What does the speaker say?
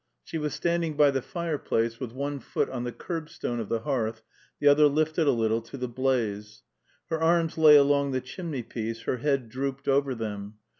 She was standing by the fireplace, with one foot on the curbstone of the hearth, the other lifted a little to the blaze. Her arms lay along the chimney piece, her head drooped over them.